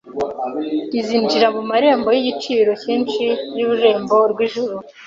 rizinjira mu marembo y’igiciro cyinshi y’ururembo rw’ijuru,